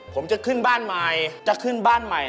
ผมจะขึ้นบ้านใหม่จะขึ้นบ้านใหม่